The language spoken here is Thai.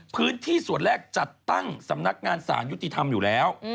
พื้นที่ส่วนแรกจัดตั้งสำนักงานสารยุติธรรมอยู่แล้ว